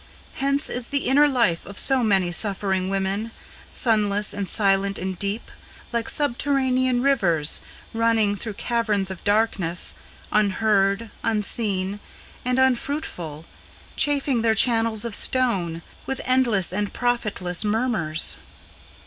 Hence is the inner life of so many suffering women Sunless and silent and deep, like subterranean rivers Running through caverns of darkness, unheard, unseen, and unfruitful, Chafing their channels of stone, with endless and profitless murmurs."